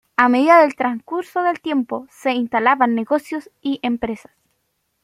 A medida del transcurso del tiempo, se instalaban negocios y empresas.